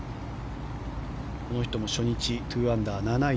この人も初日２アンダー７位